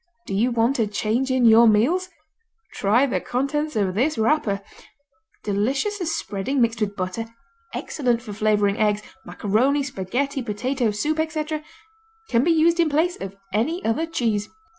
Do you want a change in your meals? Try the contents of this wrapper! Delicious as spreading mixed with butter, excellent for flavoring eggs, macaroni, spaghetti, potatoes, soup, etc. Can be used in place of any other cheese.